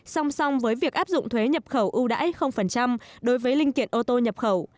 song song với việc áp dụng thuế nhập khẩu ưu đãi đối với linh kiện ô tô nhập khẩu